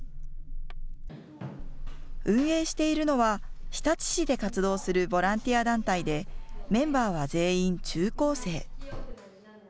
運営しているのは、日立市で活動するボランティア団体でメンバーは全員中高生。